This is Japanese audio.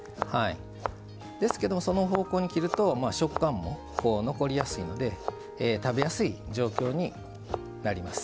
ですけどもその方向に切ると食感も残りやすいので食べやすい状況になります。